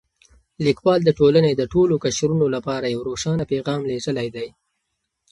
لیکوال د ټولنې د ټولو قشرونو لپاره یو روښانه پیغام لېږلی دی.